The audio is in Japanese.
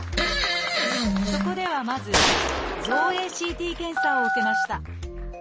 そこではまず造影ＣＴ検査を受けました。